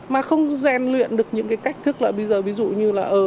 mà không gian luyện được những cái cách thức là bây giờ ví dụ như là